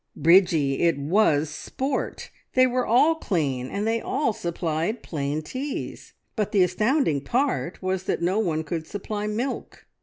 "Bridgie, it was sport! They were all clean, and they all supplied plain teas, but the astounding part was that no one could supply milk!